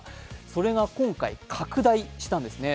それが今回、拡大したんですね。